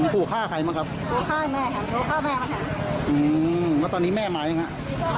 ขู่ฆ่าใครมาครับขู่ฆ่าแม่มาครับอืมแล้วตอนนี้แม่มาอย่างไรครับ